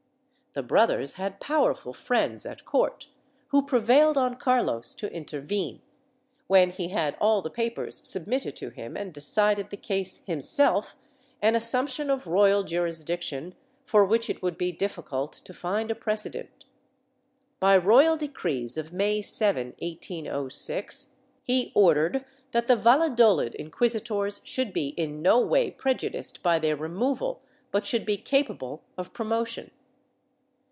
The brothers had powerful friends at court, who prevailed on Carlos to intervene, when he had all the papers submitted to him and decided the case himself— an assumption of royal juris diction for v/hich it would be difhcult to find a precedent. By royal decrees of May 7, 1806, he ordered that the Valladolid inqui sitors should be in no way prejudiced by their removal but should be capable of promotion.